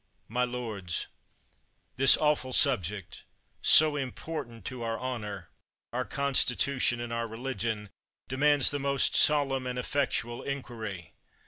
My lords, this awful subject, so important to our honor, our Constitution, and our religion, demands the most solemn and effectual inquiry.